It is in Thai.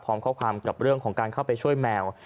พร้อมข้อความกับเรื่องของการเข้าไปช่วยแมว